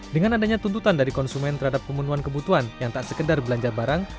dengan adanya tuntutan dari konsumen terhadap pemenuhan kebutuhan yang tak sekedar belanja barang